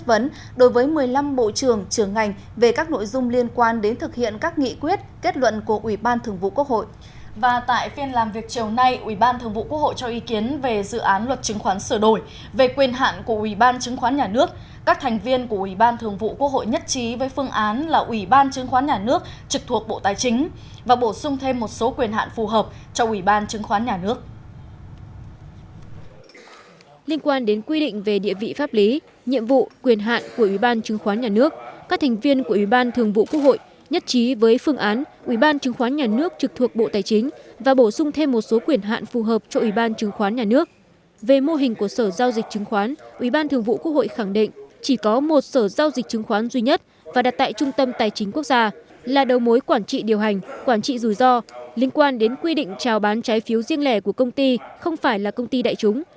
với mô hình của sở giao dịch chứng khoán ubthqh khẳng định chỉ có một sở giao dịch chứng khoán duy nhất và đặt tại trung tâm tài chính quốc gia là đầu mối quản trị điều hành quản trị rủi ro liên quan đến quy định trao bán trái phiếu riêng lẻ của công ty không phải là công ty đại chúng